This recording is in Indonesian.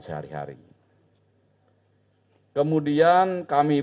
kami juga memberikan keuntungan